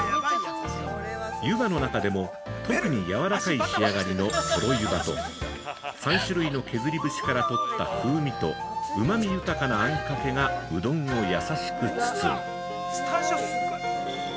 湯葉の中でも、特にやわらかい仕上がりのとろ湯葉と３種類の削り節から取った風味とうまみ豊かなあんかけがうどんを優しく包む。